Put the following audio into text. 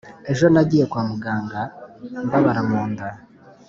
ejo nagiye kwa muganga mbabara mu nda,